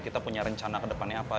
kita punya rencana ke depannya apa